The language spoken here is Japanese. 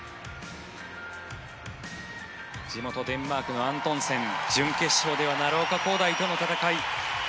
地元デンマークのアントンセン準決勝では奈良岡功大との戦い。